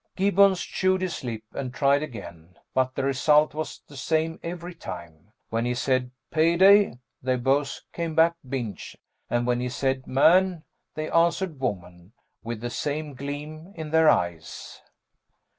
Gibbons chewed his lip and tried again, but the result was the same every time. When he said "payday" they both came back "binge," and when he said "man" they answered "woman!" with the same gleam in their eyes.